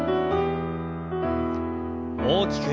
大きく。